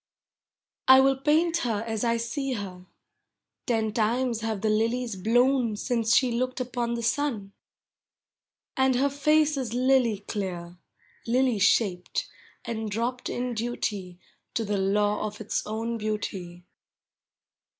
I will paint her as I see her. Ten times have the lilies blown Since she looked upon the sun. And her face is lily clear, Lily shaped, and dropped in duty To the law of its own beauty.